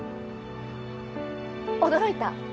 驚いた？